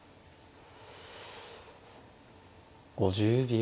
５０秒。